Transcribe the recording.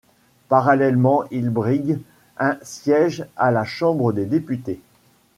Parallèlement, il brigue un siège à la Chambre des députés.